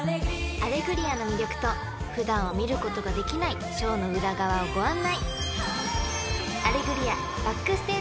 ［『アレグリア』の魅力と普段は見ることができないショーの裏側をご案内！］